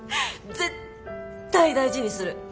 絶対大事にする。